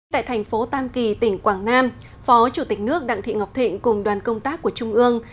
tại thành phố tam kỳ tỉnh quảng nam phó chủ tịch nước đặng thị ngọc thịnh cùng đoàn công tác của trung ương